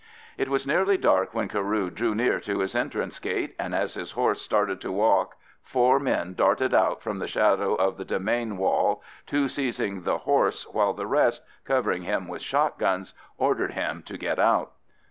It was nearly dark when Carew drew near to his entrance gate, and as his horse started to walk four men darted out from the shadow of the demesne wall, two seizing the horse, while the rest, covering him with shot guns, ordered him to get out.